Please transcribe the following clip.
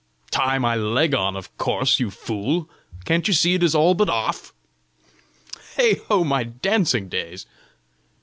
"Tie my leg on, of course, you fool! Can't you see it is all but off? Heigho, my dancing days!"